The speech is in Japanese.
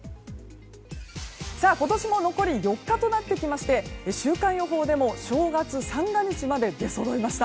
今年も残り４日となってきまして週間予報でも正月、三が日まで出そろいました。